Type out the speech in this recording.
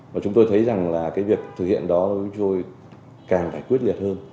và chúng tôi thấy rằng việc thực hiện đó càng phải quyết liệt hơn